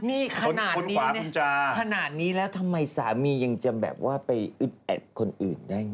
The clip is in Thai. นี่ขนาดนี้เนี่ยขนาดนี้แล้วทำไมสามียังจะไปอึ้ดแอดคนอื่นได้ไหม